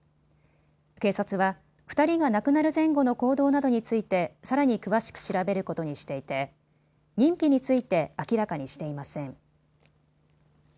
警察は２人が亡くなる前後の行動などについてさらに詳しく調べることにしていて認否について明らかにしていません。